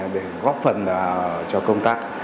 để góp phần cho công tác